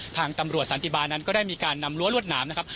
ทางตำรวจสันติบาลนั้นก็ได้มีการนำรั้วรวดหนามนะครับ